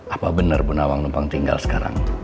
apa bener bunawang numpang tinggal sekarang